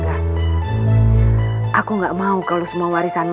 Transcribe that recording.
gak pake alasan